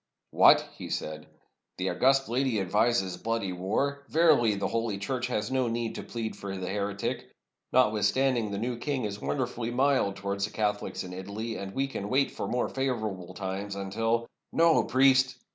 "What!" he said, "the august lady advises bloody war? Verily, the Holy Church has no need to plead for the heretic. Notwithstanding, the new king is wonder fully mild towards the Catholics in Italy; and we can wait for more favorable times, until —" "No, priest!"